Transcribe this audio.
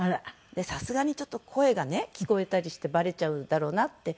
さすがにちょっと声が聞こえたりしてバレちゃうだろうなって。